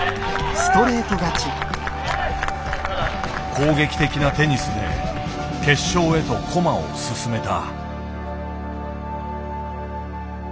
攻撃的なテニスで決勝へと駒を進めた。